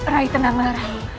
rai tenanglah rai